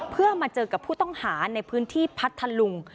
เพื่อมาเจอกับผู้ต้องหาในพื้นที่พัทธลุง